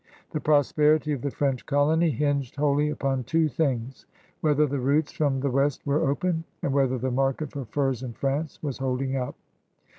The prosper ity of the Frendi colony hinged wholly upon two things: whether the routes from the West were open, and whether the market for furs in France was holding up.